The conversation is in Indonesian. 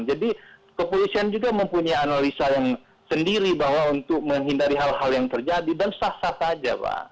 jadi kepolisian juga mempunyai analisa yang sendiri bahwa untuk menghindari hal hal yang terjadi dan sah sah saja pak